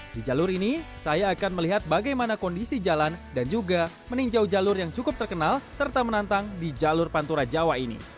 di jalur ini saya akan melihat bagaimana kondisi jalan dan juga meninjau jalur yang cukup terkenal serta menantang di jalur pantura jawa ini